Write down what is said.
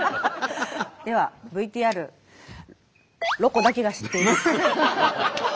ではＶＴＲ「ロコだけが知っている」。